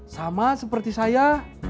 sama seperti saya